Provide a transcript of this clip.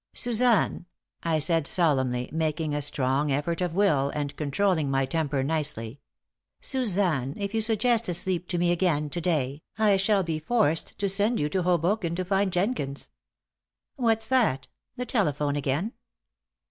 "Suzanne," I said, solemnly, making a strong effort of will and controlling my temper nicely "Suzanne, if you suggest a sleep to me again to day I shall be forced to send you to Hoboken to find Jenkins. What's that? The telephone again?